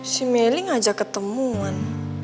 si melli ngajak ketemuan